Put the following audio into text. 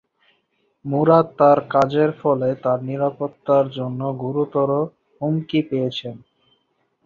মুরাদ তার কাজের ফলে তার নিরাপত্তার জন্য গুরুতর হুমকি পেয়েছেন।